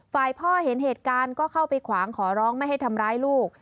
ฝ่ายพ่อเห็นเหตุการณ์ก็เข้าไปขวางขอร้องไม่ให้ทำร้ายลูก